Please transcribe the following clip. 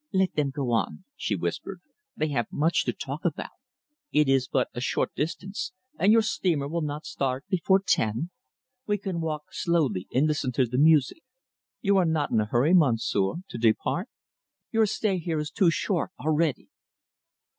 "Let them go on," she whispered. "They have much to talk about. It is but a short distance, and your steamer will not start before ten. We can walk slowly and listen to the music. You are not in a hurry, monsieur, to depart? Your stay here is too short already."